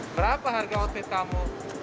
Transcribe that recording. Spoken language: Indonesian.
berapa harga outfit kamu